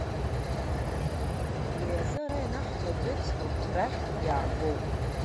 Уи азы ара ианаҳҵо атекст урҭ рахьтә иаагоуп.